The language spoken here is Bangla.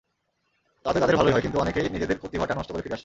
তাতে তাদের ভালোই হয়, কিন্তু অনেকেই নিজেদের প্রতিভাটা নষ্ট করে ফিরে আসে।